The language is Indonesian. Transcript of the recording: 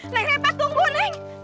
neng repa tunggu neng